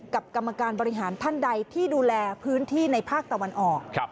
กรรมการบริหารท่านใดที่ดูแลพื้นที่ในภาคตะวันออก